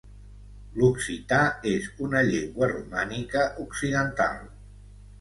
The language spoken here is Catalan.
L'occità és una llengua romànica occidental.